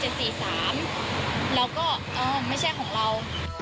แล้วก็ไม่ใช่ของเรา